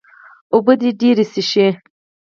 اوبۀ دې ډېرې څښي